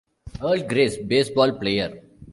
Earl Grace, baseball player.